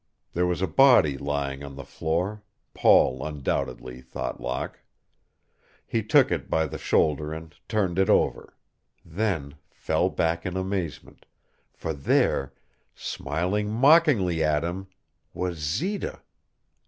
There was a body lying on the floor Paul, undoubtedly, thought Locke. He took it by the shoulder and turned it over, then fell back in amazement, for there, smiling mockingly at him, was Zita!